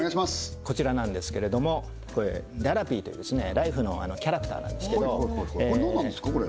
こちらなんですけれどもこれララピーというライフのキャラクターなんですけどこれ何なんですかこれ？